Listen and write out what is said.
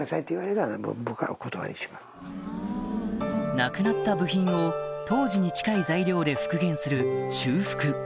なくなった部品を当時に近い材料で復元する修復